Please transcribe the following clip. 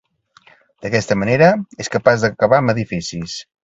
D'aquesta manera, és capaç d'acabar amb edificis.